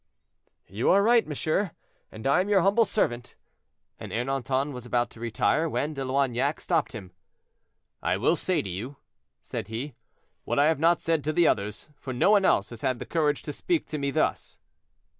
"You are right, monsieur, and I am your humble servant;" and Ernanton was about to retire, when De Loignac stopped him. "I will say to you," said he, "what I have not said to the others, for no one else has had the courage to speak to me thus."